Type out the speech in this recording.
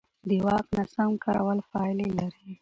د واک ناسم کارول پایلې لري